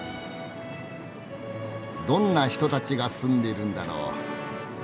どんな人たちが住んでいるんだろう？